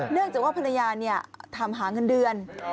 เนื่องจากว่าภรรยาทำหาเงินเดือน